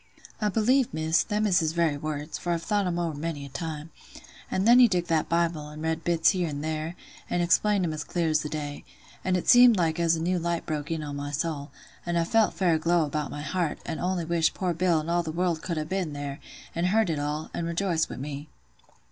I believe, Miss, them is his very words, for I've thought 'em ower many a time. An' then he took that Bible, an' read bits here and there, an' explained 'em as clear as the day: and it seemed like as a new light broke in on my soul; an' I felt fair aglow about my heart, an' only wished poor Bill an' all the world could ha' been there, an' heard it all, and rejoiced wi' me.